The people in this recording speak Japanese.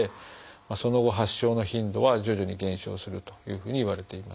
その後発症の頻度は徐々に減少するというふうにいわれています。